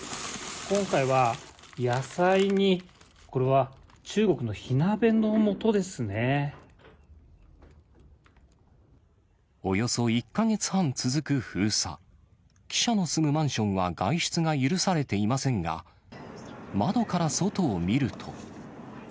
今回は野菜に、およそ１か月半続く封鎖。記者の住むマンションは外出が許されていませんが、窓から外を見ると。